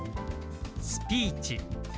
「スピーチ」。